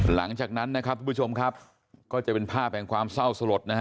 หลังจากนั้นนะครับทุกผู้ชมครับก็จะเป็นภาพแห่งความเศร้าสลดนะฮะ